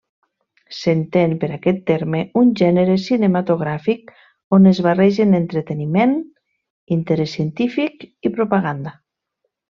S'entén per aquest terme un gènere cinematogràfic on es barregen entreteniment, interès científic i propaganda.